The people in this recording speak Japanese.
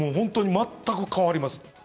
全く変わります。